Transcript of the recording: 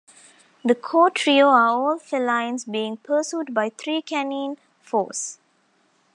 The core trio are all felines being pursued by three canine foes.